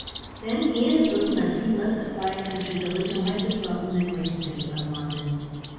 Then he and his little nephew left the quiet country village and went to dwell in the great city of London.